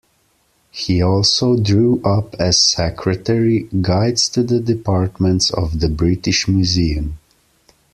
He also drew up, as secretary, guides to the departments of the British Museum.